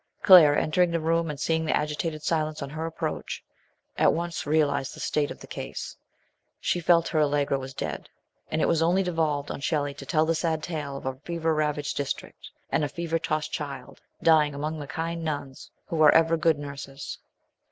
Claire, entering the room and seeing the agitated silence on her approach, at once realised the state of the case. She telt her Allegra was dead, and it only devolved on Shelley to tell the sad tale of a fever ravaged district, and a fever tossed child dying among the kind nuns, who are ever good nurses.